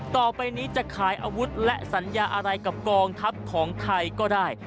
ต่อไปนี้จะขายอาวุธและสัญญาอะไรกับกองทัพของไทยก็ได้